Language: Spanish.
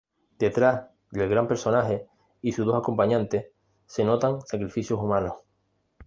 Detrás del gran personaje y sus dos acompañantes, se notan sacrificios humanos.